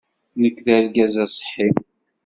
Nekk d argaz aṣeḥḥi.